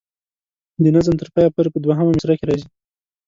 د نظم تر پایه پورې په دوهمه مصره کې راځي.